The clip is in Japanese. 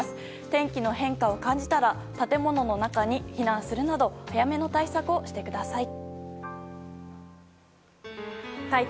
天気の変化を感じたら建物の中に避難するなど早めの対策をしてください。